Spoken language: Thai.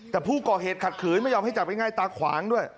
แต่ผู้ก่อเหตุขัดขืนไม่ยอมให้จับง่ายตาขวางด้วย